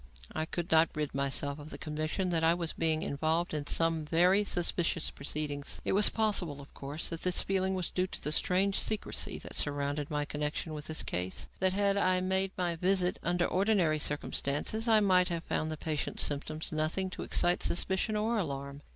I could not rid myself of the conviction that I was being involved in some very suspicious proceedings. It was possible, of course, that this feeling was due to the strange secrecy that surrounded my connection with this case; that, had I made my visit under ordinary conditions, I might have found in the patient's symptoms nothing to excite suspicion or alarm.